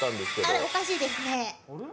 あれ、おかしいですね